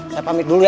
saya pamit dulu ya